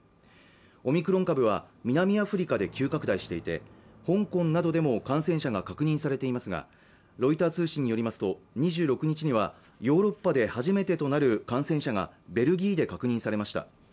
オミクロン株は南アフリカで急拡大していて香港などでも感染者が確認されていますがロイター通信によりますと２６日にはヨーロッパで初めてとなる感染者がベルギーで確認されました